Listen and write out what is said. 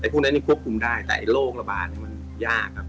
พวกนั้นยังควบคุมได้แต่ไอ้โรคระบาดมันยากครับ